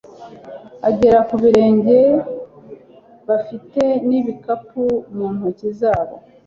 agera kubirenge bafite nibikapu muntoki zabo